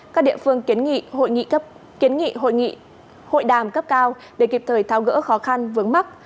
các địa phương kiến nghị hội đàm cấp cao để kịp thời thao gỡ khó khăn vướng mắt